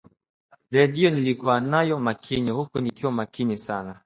Redio nilikuwa nayo makini huku nikiwa makini sana